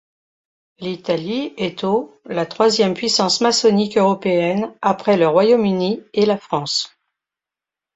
L'Italie est au la troisième puissance maçonnique européenne après le Royaume-Uni et la France.